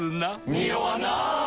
ニオわない！